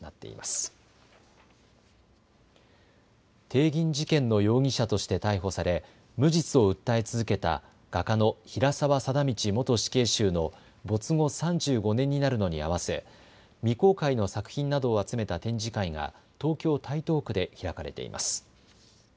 帝銀事件の容疑者として逮捕され無実を訴え続けた画家の平沢貞通元死刑囚の没後３５年になるのに合わせ未公開の作品などを集めた展示会が東京台東区で開かれています。